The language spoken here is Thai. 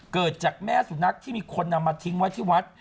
เกิดจากแม่สุนัขที่มีคนนำมาทิ้งไว้ที่วัด